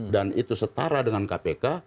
dan itu setara dengan kpk